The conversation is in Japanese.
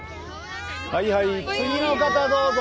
はいはい次の方どうぞ。